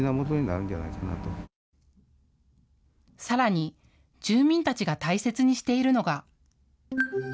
さらに住民たちが大切にしているのが。